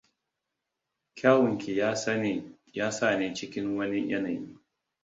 Kyawunki ya sani cikin wani yanayi.